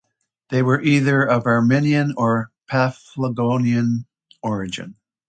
They were either of Armenian or Paphlagonian origin.